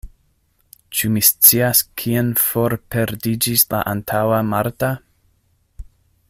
Ĉu mi scias, kien forperdiĝis la antaŭa Marta?